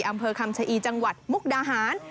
อำเภอคำชะอีจังหวัดมุกดาหาร